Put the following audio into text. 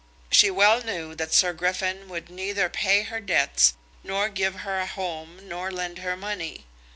She well knew that Sir Griffin would neither pay her debts nor give her a home nor lend her money.